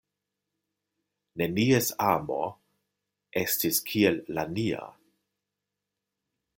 Nenies amo estis kiel la nia.